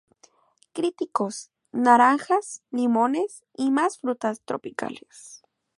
Cítricos; naranjas, limones y más frutas tropicales.